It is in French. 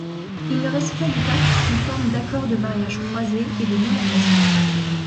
Il ne resta du pacte qu'une forme d'accord de mariages croisés et de non-agression.